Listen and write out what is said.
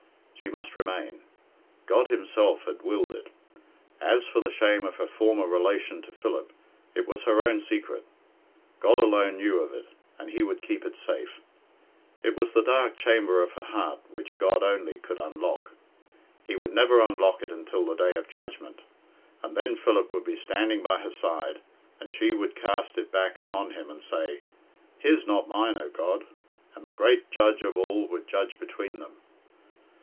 She must remain. God himself had willed it As for the shame of her former relation to Philip, it was her own secret. God alone knew of it, and He would keep it safe. It was the dark chamber of her heart which God only could unlock. He would never unlock it until the Day of Judgment, and then Philip would be standing by her side, and she would cast it back upon him, and say, "His, not mine, O God," and the Great Judge of all would judge between them.